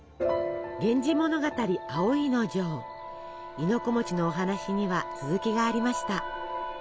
亥の子のお話には続きがありました。